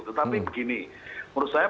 tetapi begini menurut saya